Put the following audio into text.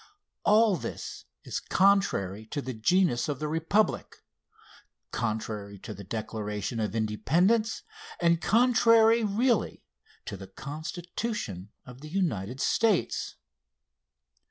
All this is contrary to the genius of the Republic, contrary to the Declaration of Independence, and contrary really to the Constitution of the United States.